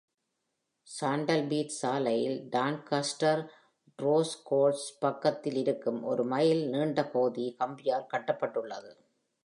Sandal Beat சாலையில் Doncaster racecourse பக்கத்தில் இருக்கும் ஒரு மைல் நீண்ட பகுதி கம்பியால் கட்டப்பட்டுள்ளது.